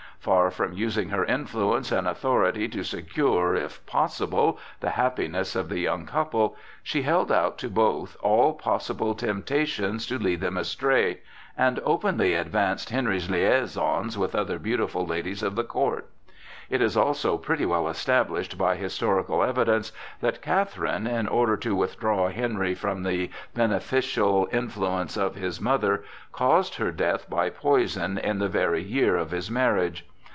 Far from using her influence and authority to secure, if possible, the happiness of the young couple, she held out to both all possible temptations to lead them astray, and openly advanced Henry's liaisons with other beautiful ladies of the court. It is also pretty well established by historical evidence that Catherine, in order to withdraw Henry from the beneficial influence of his mother, caused her death by poison in the very year of his marriage.